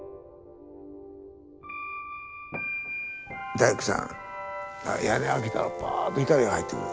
大工さんが屋根開けたらパーッと光が入ってくる。